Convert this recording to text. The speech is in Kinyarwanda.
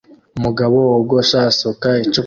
Umugabo wogosha asuka icupa